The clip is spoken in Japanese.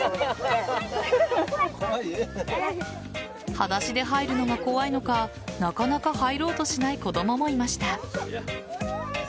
はだしで入るのが怖いのかなかなか入ろうとしない子供もいました。